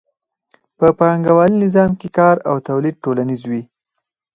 په پانګوالي نظام کې کار او تولید ټولنیز وي